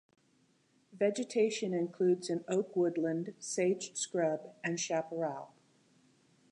Vegetation includes an Oak woodland, sage scrub and chaparral.